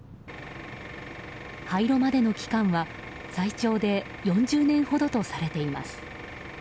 廃炉までの期間は最長で４０年ほどとされています。